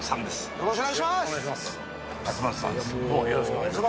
よろしくお願いします。